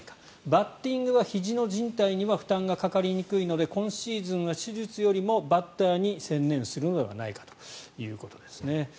バッティングはひじのじん帯には負担がかかりにくいので今シーズンは手術よりもバッターに専念するのではないかということです。